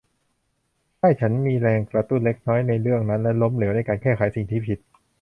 ใช่ฉันมีแรงกระตุ้นเล็กน้อยในเรื่องนั้นและล้มเหลวในการแก้ไขสิ่งที่ผิด